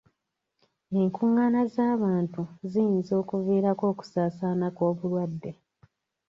Enkungaana z'abantu ziyinza okuviirako okusaasaana kw'obulwadde.